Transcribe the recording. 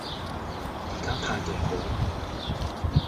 而家態度好惡